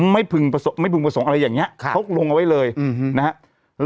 ไม่พึงประสงค์อะไรอย่างนี้เขาลงเอาไว้เลยนะฮะ